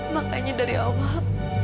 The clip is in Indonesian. makanya dari awal